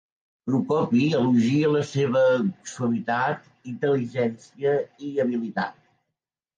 Procopi elogia la seva suavitat, intel·ligència i habilitat.